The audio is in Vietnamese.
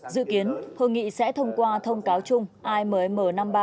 dự kiến hội nghị sẽ thông qua thông cáo chung amm năm mươi ba